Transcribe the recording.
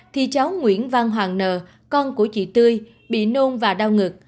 thì cháu nguyễn văn hoàng nờ con của chị tươi bị nôn và đau ngực